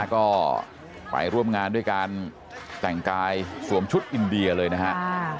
ก็ไปร่วมงานด้วยการแต่งกายสวมชุดอินเดียเลยนะครับ